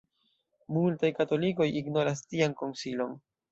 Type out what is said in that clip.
Multaj katolikoj ignoras tian konsilon.